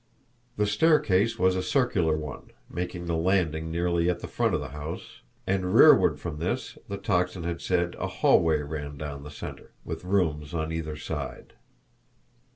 The staircase was a circular one, making the landing nearly at the front of the house, and rearward from this, the Tocsin had said, a hallway ran down the centre, with rooms on either side.